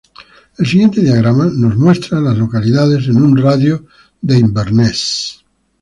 El siguiente diagrama muestra a las localidades en un radio de de Inverness.